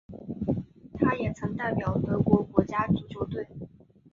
他也曾代表德国国家足球队。